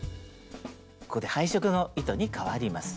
ここで配色の糸にかわります。